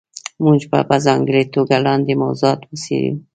موږ به په ځانګړې توګه لاندې موضوعات وڅېړو.